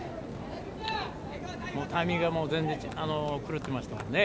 タイミングは全然狂ってましたね。